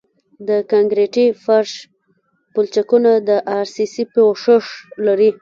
د کانکریټي فرش پلچکونه د ار سي سي پوښښ لري